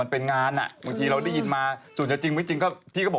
เขาเข้าใจ